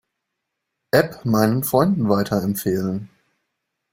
App meinen Freunden weiterempfehlen.